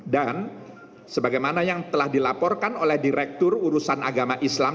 dan sebagaimana yang telah dilaporkan oleh direktur urusan agama islam